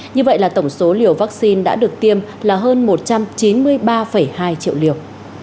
như vậy là tổng số liều vaccine đã được tiêm là hơn một trăm chín mươi ba hai triệu liều